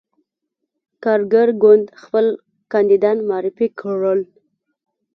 کارګر ګوند خپل کاندیدان معرفي کړل.